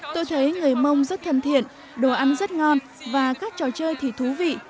tôi thấy người mông rất thân thiện đồ ăn rất ngon và các trò chơi thì thú vị